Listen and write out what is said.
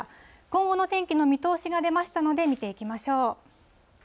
今後の天気の見通しが出ましたので、見ていきましょう。